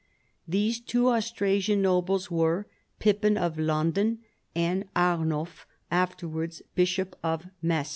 These two Austrasian nobles were Pip])in "of Landen " and Arnulf, afterwards Bishop of Metz.